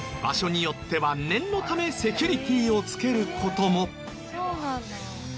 場所によっては念のためセキュリティーをつける事も。